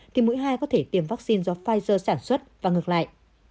thì mũi hai có thể tiêm vaccine do pfizer sản xuất và ngược lại